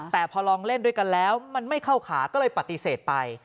แต่พอลองเล่นด้วยกันแล้วมันไม่เข้าขาก็เลยปฏิเสธไป